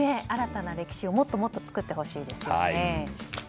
新たな歴史をもっともっと作ってほしいですよね。